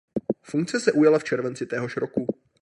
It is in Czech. Funkce se ujala v červenci téhož roku.